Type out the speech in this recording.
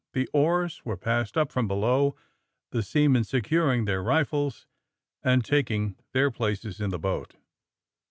The oars were passed up from below, the seaman, securing their rifles and tak ing their places in the boat.